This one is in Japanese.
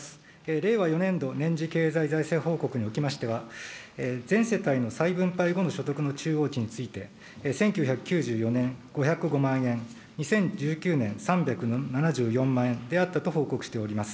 令和４年度年次経済財政報告におきましては、全世帯の再分配後の所得の中央値について、１９９４年５０５万円、２０１９年３７４万円であったと報告しております。